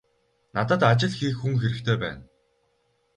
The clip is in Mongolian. Надад ажил хийх хүн хэрэгтэй байна.